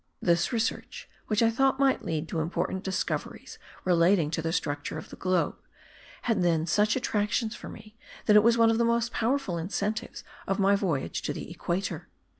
This research, which I thought might lead to important discoveries relating to the structure of the globe, had then such attractions for me that it was one of the most powerful incentives of my voyage to the equator.